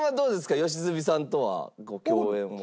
良純さんとはご共演は。